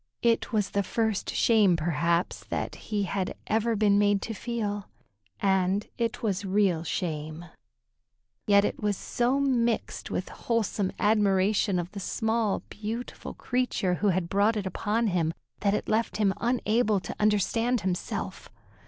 It was the first shame, perhaps, that he had ever been made to feel, and it was real shame, yet it was so mixed with wholesome admiration of the small, beautiful creature who had brought it upon him, that it left him unable to understand himself.